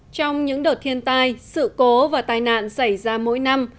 trong những đợt thiên tai sự cố và tai nạn xảy ra mỗi năm